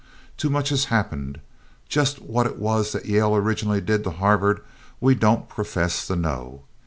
Too much has happened. Just what it was that Yale originally did to Harvard we don't profess to know.